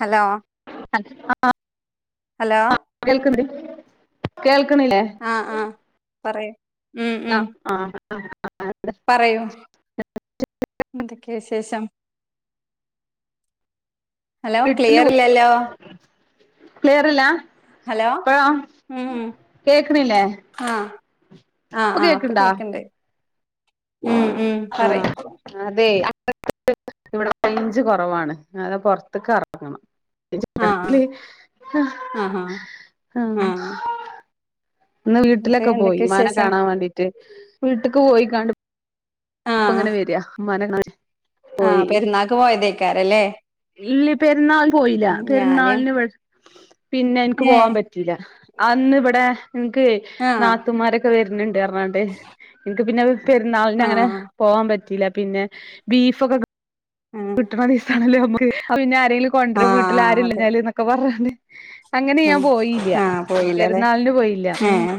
Hello ആ hello കേൾക്ക കേൾക്ക ആഹ ആഹ പറയൂ ഉം ആ ഉം ആഹ ആ പറയൂ എന്തൊക്ക വിശേഷം ഹലോ ക്ലിയർല്ലല്ലോ ക്ലിയർല്ല ഹലോ ഉ കേക്കണില്ലേ ആഹ ആഹ ഇപ്പൊ ആഹ അപ്പൊ കേക്കണ്ടാ കേക്കണ്ട്േ ഉം ഉ ആ പറയ് അതെ ഇവിടെ റേഞ്ച്‌ കുറവാണ് അത പൊറത്തക്ക് അറങ്ങണം [unintelligible] ആഹ് ല്ലേ ആ ആഹ് ആഹ് ആഹ ആഹ് ഇന്ന് എന്നിട്ട് വീട്ടിലൊക്കെ പോയി എന്തൊക്കെ മനെ വിശേഷം കാണാൻ വേണ്ടീട്ട് വീട്ടക്ക് പോയി കണ്ട് ഇപ്പ ആഹ് അങ്ങനെ വരിഅ ഉമ്മാനെ [inaudible] ആഹ് പോയി പെരുന്നാക്ക് പോയതേക്കാരല്ലേ ഇല്ല പെരുന്നാൾി പോയില്ല ഉം, ഞാന് പെരുന്നാളിന് ഇവ പിന്നെ എനിക്ക് പോവാൻ ഏഹ് പറ്റില്ല അന്ന് ഇവിടെ നിക്ക് ആഹ് നാത്തൂമാരൊക്കെ വരൂ പിന്നണ്ട് പറഞ്ഞാണ്ട് നിക്ക് പിന്നെ പെരുന്നാളിിന അങ്ങനെ ആഹ് പറ്റില പിന്നെ ബീഫക്കെ ആഹ് കിട്ടണ ദിവസാണല്ലേ നമ്മക്ക് എന്തെലു കൊണ്ടര വീട്ടിൽ ആഹ് ആരില്ല അതെ ഞാല് എന്നൊക്കെ പറഞ്ഞാല് അങ്ങനെ ഉം ഞാൻ പോയില്ല ആഹ് പോയില്ലല്ലേ പെരുന്നാളിന് പോയില്ല ഉം ഏഹ്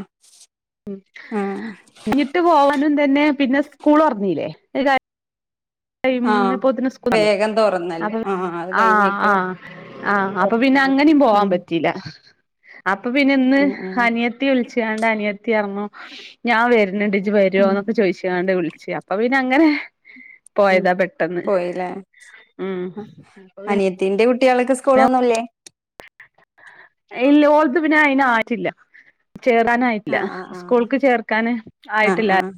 ഉ ആഹ് ഞ്ഞിട്ട് [unintelligible] [unintelligible] പോവാനും തന്നെ പിന്നെ സ്കൂളോറന്നീലെ അതു ഇംന ആഹ് പോതിന സ്കൂ [unintelligible] വേഗം തുറന്നല്ലോ അപ്പൊ ആഹ് അത് ആഹ് കഴിഞ്ഞേക്ക് ആഹ് ആഹ് അപ്പൊ ഉം പിന്നെ അങ്ങനെയും പോവാൻ പറ്റീല്ല അപ്പ് അപ്പൊ പിന്നെന്ന് ഉം ഉം ഹനിയത്തി വിളിച്ചു രണ്ട് അനിയത്തി അറ്ന്നു ഞാൻ വരുനുണ്ട് ഉം വര്വോന്നൊക്കെ ചോയ്ച്ചിയാൻട്ടു വിളിക്ക് അപ്പ പിന്ന അങ്ങനെ ഉം പോയതാ പെട്ടെന്ന് പോയില്ലേ ഉം ആ. അനിയത്തിന്റെ കുട്ടികൾക്ക് സ്കൂളൊന്നുംല്ലേ ഇല്ല ഓളത്ത് പിന്നെ അയിന് ആറ്റില്ല ചേരാനായിട്ടില്ല ആഹ് ആഹ് സ്കൂൾക്ക് ചേർക്കാന് ആഹ് ആയിട്ടില്ല ആഹ്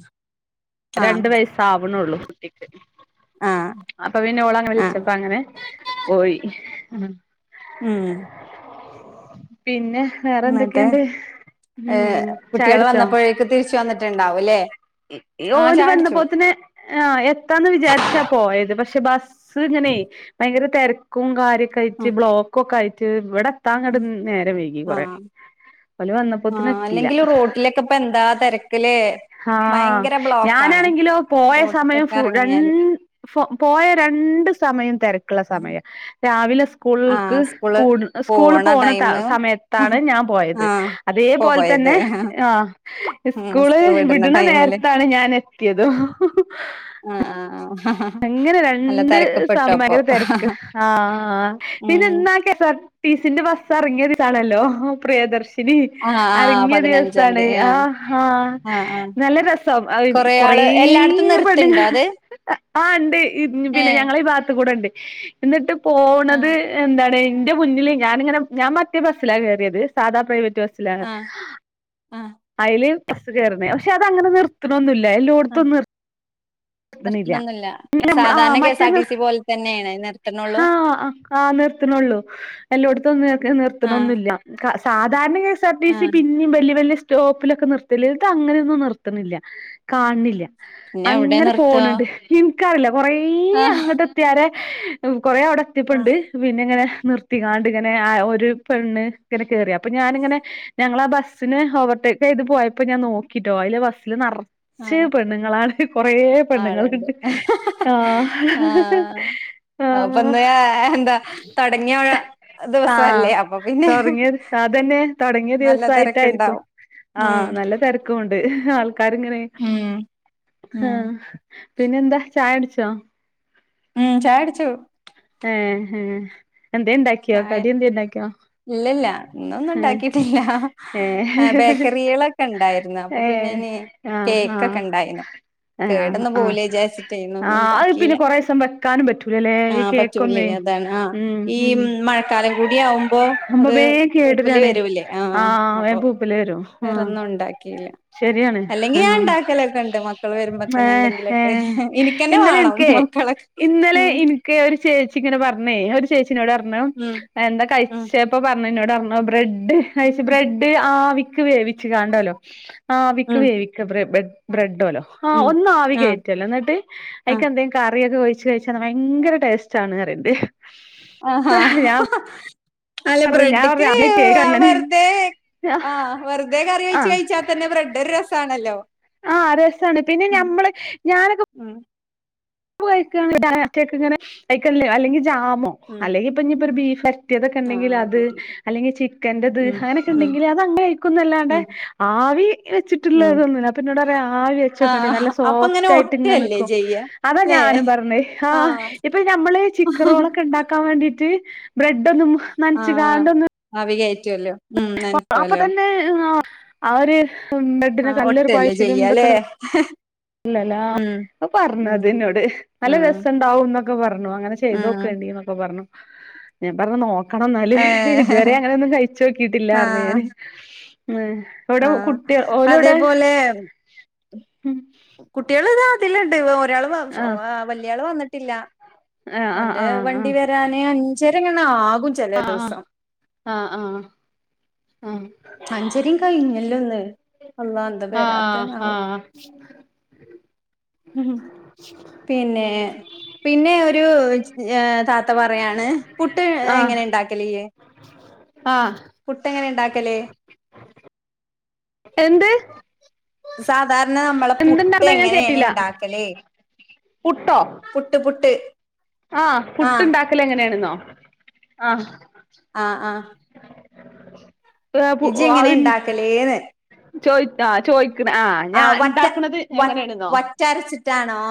ആഹ് രണ്ട് ആഹ് വയസാവ ണുള്ളു കുട്ടിക്ക് ആഹ് അപ്പൊ പിന്നെ ഓളങ്ങ് ആഹ് വിളിച്ചപ്പ അങ്ങനെ പോയി ഉം ഉം പിന്നെ വേറെ എന്നിട്ട് എന്തൊക്കെയുണ്ട് ഏ ഉം കുട്ടിയോള് ചായുടിച്ചോ വന്നപ്പോഴേക്ക് തിരിച്ച് വന്നിട്ടുണ്ടാവൂല്ലേ ഓലി വന്നപ്പോ തന്നെ ആ എത്താന്ന് വിചാരിച്ചാ പോ പക്ഷെ ബസ് സിങ്ങനെ ഭയങ്കര തെരക്കും കാര് കച്ച് ആഹ് ബ്ലോക്ക് ഒക്കെ അയ ച്ച് ഇവിടെ പത്താ ങ്ങ്ട് നേരെ വൈകി കൊറെ ആഹ് ഓല് വന്നപ്പോത്തിന് ആഹ് എത്തില്ല അല്ലെങ്കിൽ റോട്ടിലൊക്കെ ഇപ്പ എന്താ തെരക്ക് ലേ ആഹ് ഭയങ്കര ബ്ലോക്കാണ് ഞാനാണെങ്കിലോ പോയ സമയം റോട്ടിക്കൊക്കെ ഫ ര എറങ്ങിയാല് പോയ രണ്ട് സമയം തെരക്ക്ള്ള സമയം രാവിലെ സ്ക്കുള്ക്ക് ആഹ് സ്കൂള് കൂട് സ്കൂൾ പോണ ടൈമ് സമയത്താണ് ഞാൻ പോയത് ആഹ് അതേപോലെ പോയത് തന്നെ ആ സ്കൂള് വിടുന്ന നേര ത്താണ് ഞാനെത്തിയതും ആഹ് ആഹ് ആഹ് അങ്ങനെ നല്ല രണ്ട് തെരക്കപ്പെട്ടു അപ്പൊ സമയ തെരക്ക് ആ ഉം പിന്നെ ന്ന്ക്കെ സ ട്ടിസിന്റെ ബസ് എറങ്ങിന്നണല്ലോ പ്രിയദർശ ശിനി ആഹ് ആഹ് അറങ്ങിയ പതിനഞ്ചാം ദിവസാണ് തീയതി ആ ആഹ് ആ ആഹ് ആഹ് നല്ല രസം അ കൊറേ ആള് എല്ലായിടത്തും പെണ്ണ്ങ്ങ നിർത്തുണ്ടോ അത് ആ ണ്ട് പിന്നെ ഏഹ് ഞങ്ങളെ ഈ ഭാ കൂടോണ്ട് എന്നിട്ട് പോണത് ആഹ് എന്താണ് എന്റെ മുന്നില് ഞാനിങ്ങെ ഞാൻ മറ്റേ ബസ്സിലാണ് കേറിയത് സാധാ പ്രൈവ റ്റ് ബസിലാണ് ആഹ് ആഹ് അയില് ബസ്സ് കേറുന്നേ പക്ഷെ അത് അങ്ങനെ നിർത്തണൊന്നു ല്ല ആഹ് എല്ലോട്ത്തും നിർ ത്ത്ണില്ല്യ. നിർത്തണൊന്നുല്ല ഇന്നലെ ഇമ്മ്ളാ ആ സാധാരണ കെ എസ് ആർ മറ്റേന്ന് ടി സി പോലെ തന്നെയാണ് നിർത്തണുള്ളൂ ഹാ ആഹ് നിർത്ത്ണൊള്ളൂ. എല്ലോ ട്ത്ത്ന്നൊക്കെ ആഹ് നിർത്ത്ണൊന്നുല്ല്യ സ സാ ധാര്ണ K S R T C ആഹ് പിന്നിം വല്ല്യ വല്ല്യ സ് റ്റോപ്പിലൊക്കെ നിർത്തല് ഇത് അങ്ങനൊന്നും നിർത്ത്ണില്ല്യ. കാണ് ണില്ല്യ. പിന്നെ എവിടെ നിർ പോണ് ണ്ട് ഹിം. കാവ് ലം കൊറേ ആഹ് അങ്ങട്ട് എത്തിയാരെ കൊറേ അവിടെ ആഹ് എത്ത്യപ്പണ്ട് പിന്നെങ്ങനെ നിർത്തികാണ്ട് ഇങ്ങനെ ആ ഒരു പെണ്ണ് ഇങ്ങനെ കേറി അപ്പ ഞാനിങ്ങനെ ഞങ്ങളാ ബസ്സിന് ഓവർടേക്ക് ചെയ്ത് പോയപ്പോ ഞാൻ നോക്കിട്ടോ അയ്ല് ബസ്സില് നറ ച്ച് ആഹ് പെണ്ണ്ങ്ങളാണ് [unintelligible] കൊറേ ആളുണ്ട് പെണ്ണ്ങ്ങള്ണ്ട് ആ ആഹ് ആ അപ്പൊ ഇന്ന് എന്താ തൊടങ്ങിയ ആ ദിവസല്ലേ അപ്പൊ പിന്നെ തൊടങ്ങിയ അതന്നെ തൊടങ്ങിയ നല്ല ദിവസായിട്ടായിരിക്കും തെരക്കുണ്ടാവും ആ ഉം നല്ല തെരക്കുണ്ട് ആൾ കാരെങ്ങനെ ഉം ആ ഉം പിന്നെ എന്താ ചായ കുടിച്ചോ ഉം ചായ കുടിച്ചു ഏഹെ ചായ ഇല്ലല്ല ഏഹ് ഇന്നൊന്നുണ്ടാക്കിട്ടില്ല ഏഹ് ബേക്കറികളൊക്കെ ഇണ്ടായിരുന്നു അപ്പൊ പിന്നെ ഏഹ് ഇനി കേക്ക് ഇണ്ടായിരുന്നു കേടൊന്നും ആ ആ അത് പിന്നെ കൊറേ ദിവസം വെക്കാനും പറ്റൂലല്ലേ ആ ഈ പച്ചൂല്ലേ കേക്കൊന്നുവേ അതാണ് ആ ഉം ഈ ഉം മഴക്കാലം കൂടി ആവുമ്പോ അപ്പൊ അത് വേം പൂപ്പില് കേടരാണ് വരൂല്ലേ ആ ആഹ് അപ്പൊ വേം പൂപ്പല് വരും ആഹ് വെറൊന്നും ഉണ്ടാക്കിയില്ല ശരിയാണ് അല്ലെങ്കിൽ ഞാൻ ആഹ് ണ്ടാക്കലൊക്കെ ഉണ്ട് മക്കള് വരുമ്പത്തേന് എന്തെിലും ഏ ഇന്നലെ എനിക്ക് ഇന്നലെ ഉം എനിക്ക് ഒരു ചേച്ചി ഇങ്ങനെ പറഞ്ഞേ ഒരു- എന്നോട് പറഞ്ഞു ഉം എന്താ ഉം കഴിച്ചേപ്പോ പറ- എന്നോടർന്നു ബ്രെഡ് ഡ് ഐസ്ബ്രെഡ് ആവി ക്ക്‌ വേവി ച്ച് കാണ്ടാല്ലോ ആവിക്ക് ഉം വേവിക്ക ബ്രെ ബെ ബ്രെഡ് ട്ടുല്ലോ ആ ഉം ഒന്ന് ആ ആവികേറ്റ് എന്നിട്ട് ആ അയിക്കെന്തേലും കാ കറിയൊക്കെ ഒയിച്ച് കയിച്ചാ ഭയങ്കര ടേസ്റ്റാണ് പറയുന്നത് [unintelligible] അല്ല പറഞ്ഞു ഞാൻ ബ്രെഡ്ക്ക് പറഞ്ഞു ആദ്യായിട്ട് കേക്കാ ഞാന് വെറുതെ ആ വെറുതെ കറി ഒയിച്ച് കഴിച്ചാതന്നെ ബ്രെഡ് ഒരു രസാണല്ലോ ആ രസാണ് പിന്നെ ഉം ഞമ്മള് ഞാനൊക്കെ ഉം ഉപ്പ് കയിക്കാണെങ്കിൽ [inaudible] അല്ലെങ്കിൽ ജാം മൊ ഉം അല്ലെങ്കിപ്പിഞ്ഞിപ്പൊരു ബീഫ്‌ ഫ്ലഷ് റ്റിയതൊക്കെ ആ ഇണ്ടെങ്കിൽ അത് കൂട്ടിക്കും അല്ലെങ്കി ചിക്കന്റെത് ഉം അങ്ങനെയൊക്കെ ഉം ഉണ്ടെങ്കിൽ അത് തന്നെ കഴിക്കുന്നല്ലാണ്ട് ഉം ആവി ഉം വെച്ചിട്ടുള്ളതൊന്നുവില്ല അപ്പൊ ഇന്നോട് പറയും ആവി ആ വച്ചേക്കണ്ടെ നല്ല അപ്പൊ ഇങ്ങനെ സോഫ്റ്റ് ആയിട്ട് ഇങ്ങനെ ഒട്ടല്ലേ നിക്കും ചെയ്യ ല്ലേ ഞാനും പറഞ്ഞെ ആ ഇപ്പൊ ഞമ്മള് ചിക്കറോളൊക്കെ ഉണ്ടാക്കാൻ വേണ്ടി റ്റ് ബ്രെഡൊന്നും ആ ആ ആവി കയറ്റ് റ്റുവല്ലോ അപ്പൊ തന്നെ മം അവര് ആ ഒട്ടുവല്ലേ ചെയ്യാല്ലേ ഇല്ലല്ലാ ഉം അവ് ഉം പറഞ്ഞതെന്നോട് നല്ല ഉം രസൊണ്ടാവുന്ന് ക്കെ പറഞ്ഞൂവാ അങ്ങനെ ഉം ചെയ്തോക്കെണ്ടീന്നൊക്കെ പറഞ്ഞു ഞാൻ പറഞ്ഞു നോക് ക്കണം എന്നാല് ഏ ഇതുവരെ അങ്ങനെയൊന്നും കഴിച്ച് ആ നോക്കിട്ടില്ലാറഞ്ഞു ഞാന് മ് എവിടെ ആ കുട്ടികൾ ഓലെവിടെ അതേപോലെ കുട്ട് കുട്ടികൾ ഇതാ അതിലുണ്ട് ഒരാള് വ ആ വലിയാള് വന്നി ട്ടില്ല ആ ആ ഓന്റെ ആ വണ്ടി വരാനെ അൻ ശെങ്ങണാവ് ആഹ് ആഹ് ആഹ് ആഹ് അഞ്ചരേം കഴിഞ്ഞല്ലോ ഇന്ന് അന്നാ എന്താ വരാത്തെന്നാവോ ആ പിന്നെ പിന്നെ ഒരു ഏ താത്ത പറയാണ് പുട്ട് ആ ആ എങ്ങനാ ഇണ്ടാക്കല് ഈയ് ആ പുട്ടെങ്ങനാ ഇണ്ടാക്ക് ക്കല് പുട്ട് എന്ത് സാധാരണ നമ്മള് പുട്ട് എന്തുണ്ടാക്കണ ഞാൻ എങ്ങനെയാണ് കേട്ടില്ല ഇണ്ടാക്കല് പുട്ടോ പുട്ട് പുട്ട് ആ ആഹ് പുട്ടിണ്ടാക്കല് എങ്ങനെയാണെന്നോ ആഹ് ആഹ് ആഹ് [inaudible] ഇജ് എങ്ങനെ ആ ഉണ്ടാക്കലേന്ന് ചോയ് ആ ചോയ് ആ വറ്റ വറ്റരച്ചിട്ടാണോ